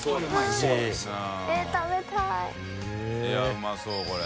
うまそうこれ。